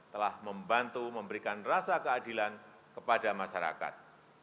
telah membantu memberikan rasa keadilan kepada masyarakat